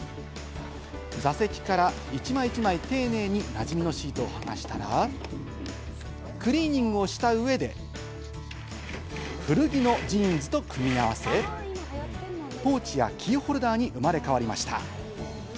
座席から一枚一枚、丁寧にシートをはがしたら、クリーニングした上で古着のジーンズと組み合わせ、ポーチやキーホルダーに生まれ変わりました。